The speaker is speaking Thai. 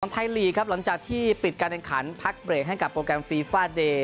ไทยลีกครับหลังจากที่ปิดการแข่งขันพักเบรกให้กับโปรแกรมฟีฟาเดย์